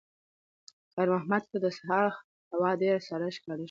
خیر محمد ته د سهار هوا ډېره سړه ښکاره شوه.